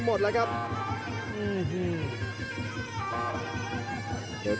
โอ้โหไม่พลาดกับธนาคมโด้แดงเขาสร้างแบบนี้